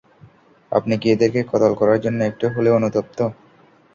আপনি কি এদেরকে কতল করার জন্য একটু হলেও অনুতপ্ত?